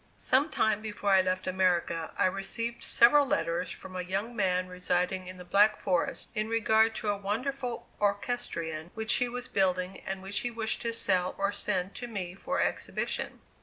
Some time before I left America I received several letters from a young man residing in the Black Forest in regard to a wonderful orchestrion which he was building and which he wished to sell or send to me for exhibition.